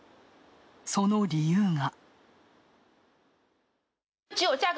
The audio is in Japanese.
その理由が。